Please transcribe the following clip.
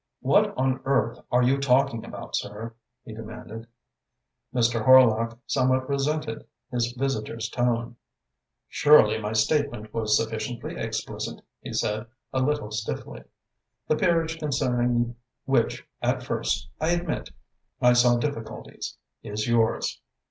"What on earth are you talking about, sir?" he demanded. Mr. Horlock somewhat resented his visitor's tone. "Surely my statement was sufficiently explicit?" he said, a little stiffly. "The peerage concerning which at first, I admit, I saw difficulties, is yours.